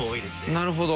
なるほど。